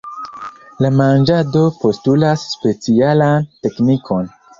La manĝado postulas specialan teknikon.